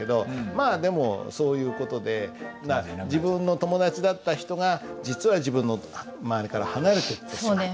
まあでもそういう事で自分の友達だった人が実は自分の周りから離れていってしまった。